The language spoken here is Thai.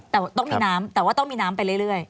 แต่ต้องมีน้ำแต่ว่าต้องมีน้ำไปเรื่อย